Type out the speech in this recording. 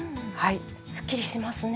すっきりしますね。